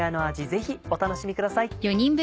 ぜひお楽しみください。